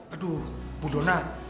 aduh bu dona